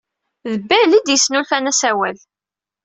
D Bell ay d-yesnulfan asawal.